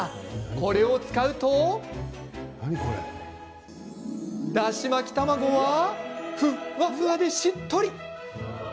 これを使うとだし巻き卵はふわっふわでしっとり。